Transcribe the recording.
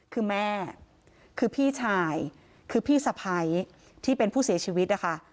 คือแม่คือพี่ชายคือพี่สะพ้ายที่เป็นผู้เสียชีวิตนะคะ